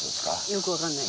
よくわからない。